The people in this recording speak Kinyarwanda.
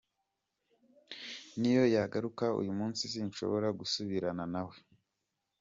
N’iyo yagaruka uyu munsi sinshobora gusubirana na we.